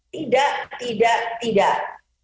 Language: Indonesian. tidak tidak tidak